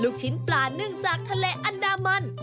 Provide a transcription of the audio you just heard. ชิ้นปลานึ่งจากทะเลอันดามัน